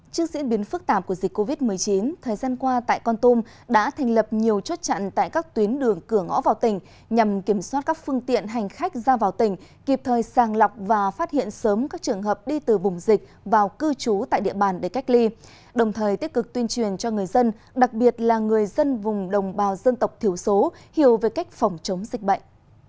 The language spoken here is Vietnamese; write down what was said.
trước diễn biến phức tạp của dịch covid một mươi chín thời gian qua tại con tôm đã thành lập nhiều chốt chặn tại các tuyến đường cửa ngõ vào tỉnh nhằm kiểm soát các phương tiện hành khách ra vào tỉnh kịp thời sàng lọc và phát hiện sớm các trường hợp đi từ vùng dịch vào cư trú tại địa bàn để cách ly đồng thời tiết cực tuyên truyền cho người dân đặc biệt là người dân vùng đồng bào dân tộc thiếu số hiểu về cách phòng chống dịch bệnh